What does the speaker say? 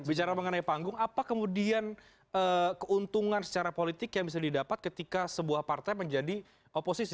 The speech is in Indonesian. bicara mengenai panggung apa kemudian keuntungan secara politik yang bisa didapat ketika sebuah partai menjadi oposisi